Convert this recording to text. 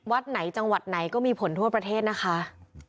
วัดไหนจังหวัดไหนก็มีผลทั่วประเทศนะคะ